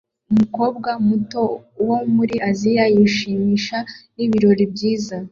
Umukobwa muto wo muri Aziya yishimisha nibirori byiza